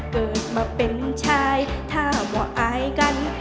เกิดมาเป็นชายถ้าบอกอายกัน